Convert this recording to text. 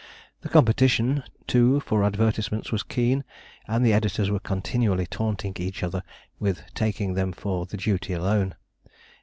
The competition, too, for advertisements, was keen, and the editors were continually taunting each other with taking them for the duty alone.